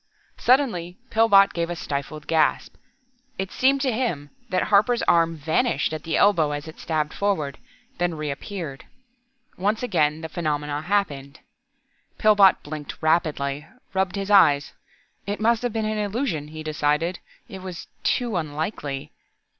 Suddenly Pillbot gave a stifled gasp. It seemed to him that Harper's arm vanished at the elbow as it stabbed forward, then reappeared. Once again the phenomenon happened. Pillbot blinked rapidly, rubbed his eyes. It must have been illusion, he decided. It was too ... unlikely....